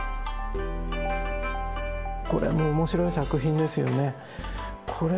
これも面白い作品ですよね。